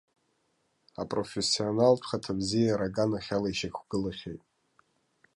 Апрофессионалтә хаҭабзиара аганахьала ишьақәгылахьеит.